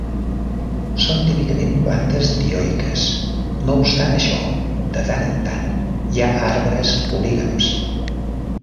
Són típicament plantes dioiques; no obstant això, de tant en tant hi ha arbres polígams.